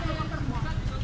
ya tutup semua